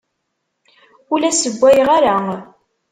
Ur la ssewwayeɣ ara.